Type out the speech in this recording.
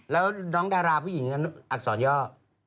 แล้วน้องดาราผู้หญิงอักษรย่อ